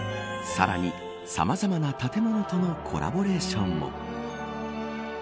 さらに、さまざまな建物とのコラボレーションも。